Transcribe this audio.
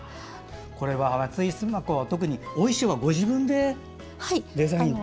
これは「松井須磨子」はお衣装はご自分でデザインを。